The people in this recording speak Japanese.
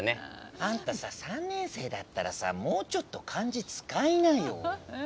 あんたさ３年生だったらさもうちょっと漢字使いなよ。